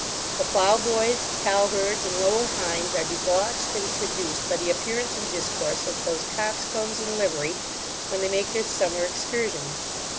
The plough boys, cow herds, and lower hinds are debauched and seduced by the appearance and discourse of those coxcombs in livery, when they make their summer excursions.